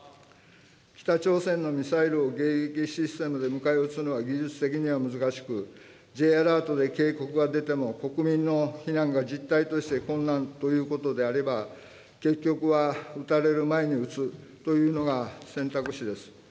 北朝鮮のミサイルを迎撃システムで迎え撃つのは技術的には難しく、Ｊアラートで警告が出ても、国民の避難が実態として困難ということであれば、結局は撃たれる前に撃つというのが選択肢です。